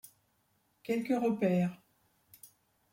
Quelques repères.